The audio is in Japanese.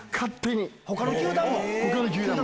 他の球団も？